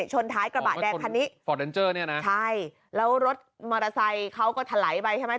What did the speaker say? ชนท้ายกระบะแดงคันนี้นี่นะใช่แล้วรถมอเตอร์ไซค์เขาก็ถลายไปใช่ไหม